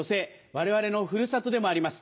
われわれの古里でもあります。